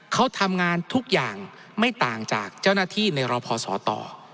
เขาทำงานทุกอย่างไม่ต่างจากเจ้าหน้าที่ในรพศต